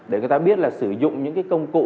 để người ta biết là sử dụng những cái công cụ